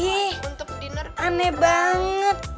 untuk dinner aneh banget